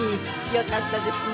よかったですね。